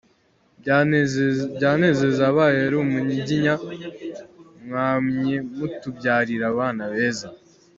Byanezeza abaye ari umunyiginya, mwamye mutubyarira abana beza.